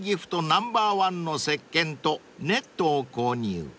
ナンバーワンのせっけんとネットを購入］